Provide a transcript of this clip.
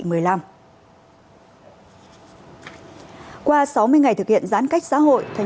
qua sáu mươi ngày thực hiện gián cách xã hội thành phố hà nội đã đạt được các biện pháp phòng chống dịch bệnh covid một mươi chín